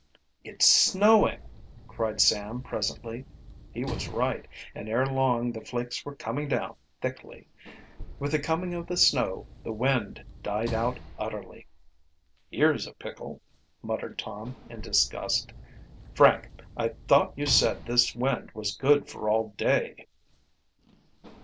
"It's snowing!" cried Sam presently. He was right, and ere long the flakes were coming down thickly. With the coming of the snow the wind died out utterly. "Here's a pickle," muttered Tom, in disgust. "Frank, I thought you said this wind was good for all day?"